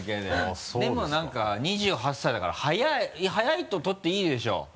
でも何か２８歳だから早いと取っていいでしょ